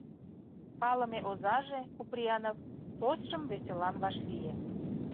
Палыме озаже, Куприянов, тосшым веселан вашлие.